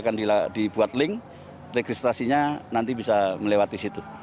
nanti di situ akan dibuat link registrasinya nanti bisa melewati situ